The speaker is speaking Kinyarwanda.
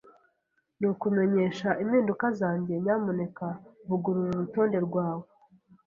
Nukumenyesha impinduka zanjye. Nyamuneka vugurura urutonde rwawe.